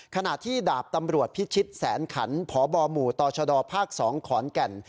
ขณะที่ดาบตำรวจพิชิตแสนขันพบหมู่ตชดภาค๒ขอนแก่น